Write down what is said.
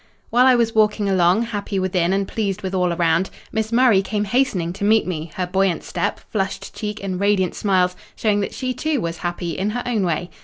While I was walking along, happy within, and pleased with all around, Miss Murray came hastening to meet me; her buoyant step, flushed cheek, and radiant smiles showing that she, too, was happy, in her own way.